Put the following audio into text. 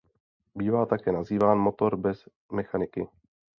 Bývá také nazýván „motor bez mechaniky“.